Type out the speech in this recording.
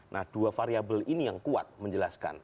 nah dua variable ini yang kuat menjelaskan